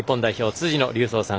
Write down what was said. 辻野隆三さん